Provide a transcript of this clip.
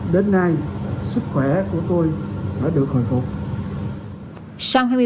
đến nay sức khỏe của tôi đã được hồi phục